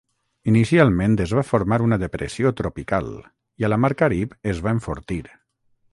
Inicialment es va formar una depressió tropical i a la Mar Carib es va enfortir.